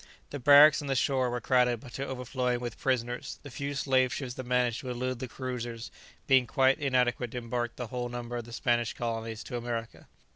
The barracks on the shore were crowded to overflowing with prisoners, the few slave ships that managed to elude the cruisers being quite inadequate to embark the whole number for the Spanish colonies to America.